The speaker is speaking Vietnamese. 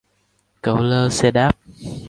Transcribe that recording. Cậu lơ xe đáp